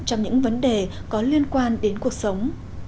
trong những vấn đề có liên quan đến cuộc sống